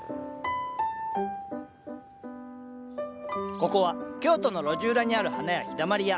ここは京都の路地裏にある花屋「陽だまり屋」。